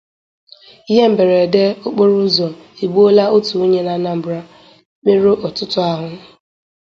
Ihe Mberede Okporo Ụzọ Egbuola Otu Onye n'Anambra, Merụọ Ọtụtụ Ahụ